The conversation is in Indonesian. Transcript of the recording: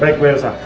baik bu yosa